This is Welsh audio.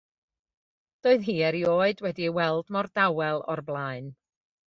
Doedd hi erioed wedi'i weld mor dawel o'r blaen.